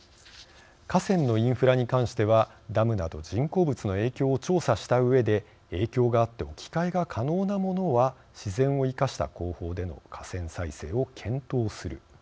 河川のインフラに関してはダムなど人工物の影響を調査したうえで影響があって置き換えが可能なものは自然を生かした工法での河川再生を検討する。